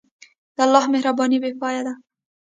د الله مهرباني بېپایه ده.